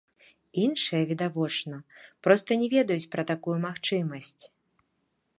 Іншыя, відавочна, проста не ведаюць пра такую магчымасць.